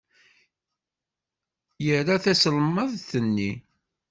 Ira taselmadt-nni.